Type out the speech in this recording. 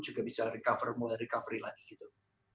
juga bisa recovery lagi gitu